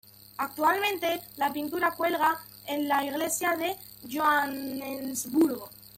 Actualmente la pintura cuelga en una iglesia de Johannesburgo.